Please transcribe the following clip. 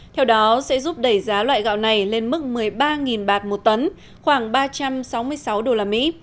theo đó sẽ giúp đẩy giá loại gạo này lên mức một mươi ba bạt một tấn khoảng ba trăm sáu mươi sáu đô la mỹ